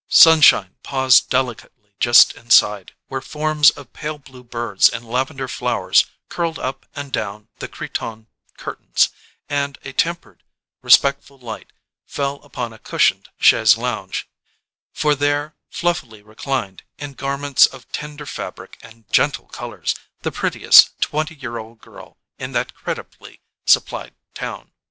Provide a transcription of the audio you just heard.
Sunshine paused delicately just inside, where forms of pale blue birds and lavender flowers curled up and down the cretonne curtains; and a tempered, respectful light fell upon a cushioned chaise longue; for there fluffily reclined, in garments of tender fabric and gentle colours, the prettiest twenty year old girl in that creditably supplied town.